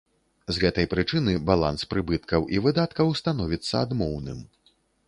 З гэтай прычыны баланс прыбыткаў і выдаткаў становіцца адмоўным.